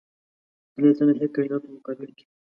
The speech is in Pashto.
د لایتناهي کایناتو په مقابل کې.